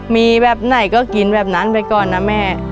มีแบบไหนก็กินแบบนั้นไปก่อนนะแม่